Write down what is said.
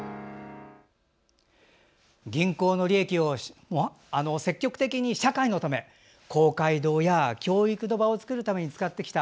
銀行の利益を積極的に社会のため公会堂や教育の場を作るために使ってきた。